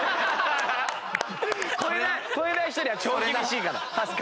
超えない人には超厳しいから。